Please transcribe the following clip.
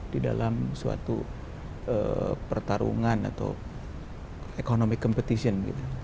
di dalam suatu pertarungan atau economic competition